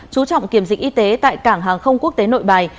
chú trọng kiểm dịch y tế tại cảng hàng không quốc tế nội bài